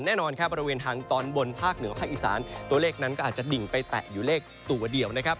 แน่นอนครับบริเวณทางตอนบนภาคเหนือภาคอีสานตัวเลขนั้นก็อาจจะดิ่งไปแตะอยู่เลขตัวเดียวนะครับ